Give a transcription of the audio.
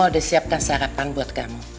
udah siapkan sarapan buat kamu